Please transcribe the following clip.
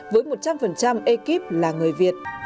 với một trăm linh ekip là người việt